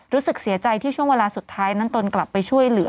รู้สึกเสียใจที่ช่วงเวลาสุดท้ายนั้นตนกลับไปช่วยเหลือ